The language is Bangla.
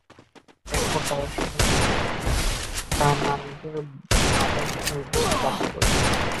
এরপর তারা সেখান থেকে কানআনীদের আবাসভূমির উদ্দেশে যাত্রা করেন।